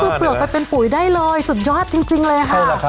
คือเปลือกไปเป็นปุ๋ยได้เลยสุดยอดจริงเลยค่ะ